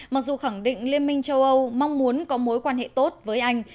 mặc dù khẳng định liên minh châu âu mong muốn có mối quan hệ tốt với anh